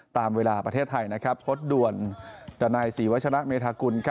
ตามเวลาประเทศไทยข้ดด่วนจากนายศรีวชะละเมธากุล